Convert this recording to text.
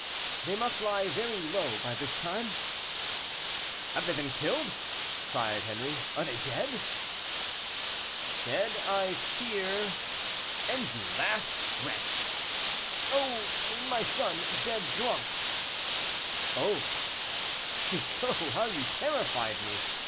"They must lie very low by this time." "Have they been killed?" cried Henri; "are they dead?" "Dead I fear " "And you laugh, wretch?" "Oh! my son, dead drunk." "Oh! Chicot, how you terrified me.